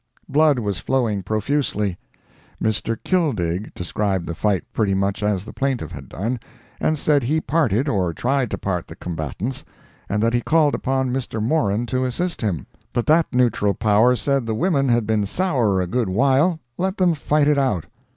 Blood was flowing profusely. Mr. Killdig described the fight pretty much as the plaintiff had done, and said he parted, or tried to part the combatants, and that he called upon Mr. Moran to assist him, but that neutral power said the women had been sour a good while—let them fight it out.